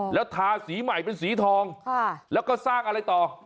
แล้วทาสีใหม่เป็นสีทองแล้วก็สร้างอะไรต่อ